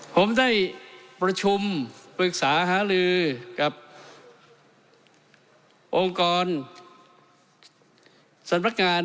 ผมได้ประชุมปรึกษาหาลือกับองค์กรสำนักงาน